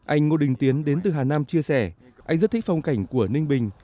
anh ngô đình tiến đến từ hà nam chia sẻ anh rất thích phong cảnh của ninh bình